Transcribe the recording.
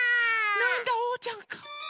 なんだおうちゃんか。